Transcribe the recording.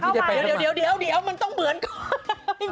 จิตจะเข้ามาเดี๋ยวเดี๋ยวมันต้องเหมือนกัน